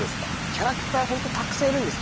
キャラクターたくさんいるんです。